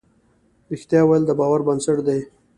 رښتيا ويل د باور بنسټ دی.